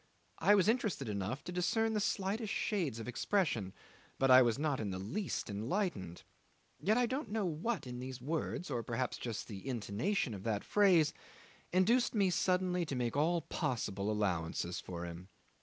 I was interested enough to discern the slightest shades of expression, but I was not in the least enlightened; yet I don't know what in these words, or perhaps just the intonation of that phrase, induced me suddenly to make all possible allowances for him.